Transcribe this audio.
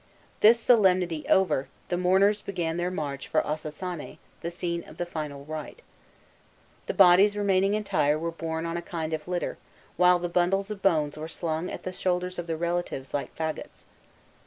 This solemnity over, the mourners began their march for Ossossané, the scene of the final rite. The bodies remaining entire were borne on a kind of litter, while the bundles of bones were slung at the shoulders of the relatives, like fagots.